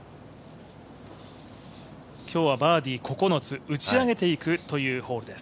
今日はバーディー９つ、打ち上げていくというホールです。